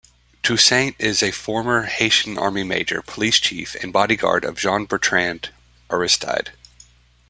Toussaint is a former Haitian Army major, police chief and bodyguard of Jean-Bertrand Aristide.